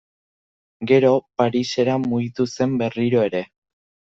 Gero, Parisera mugitu zen berriro ere.